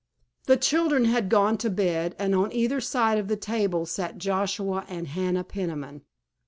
The children had gone to bed, and on either side of the table sat Joshua and Hannah Peniman.